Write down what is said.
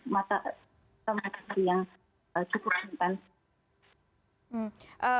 mata matahari yang cukup kemungkinan